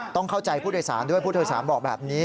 ต้องเข้าใจผู้โดยสารด้วยผู้โดยสารบอกแบบนี้